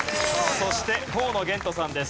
そして河野玄斗さんです。